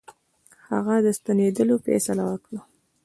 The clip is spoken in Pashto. هغه د ستنېدلو فیصله وکړه.